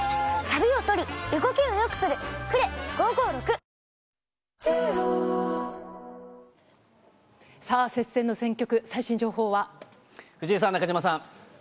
清水建設さあ、接戦の選挙区、最新情藤井さん、中島さん。